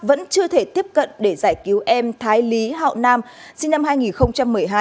vẫn chưa thể tiếp cận để giải cứu em thái lý hậu nam sinh năm hai nghìn một mươi hai